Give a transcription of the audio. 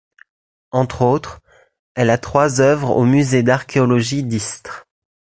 Entre autres, elle a trois œuvres au Musée d'archéologie d'Istres.